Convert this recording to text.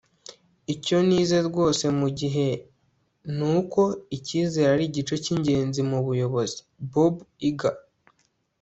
icyo nize rwose mu gihe ni uko icyizere ari igice cy'ingenzi mu buyobozi. - bob iger